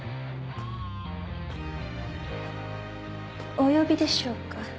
お呼びでしょうか？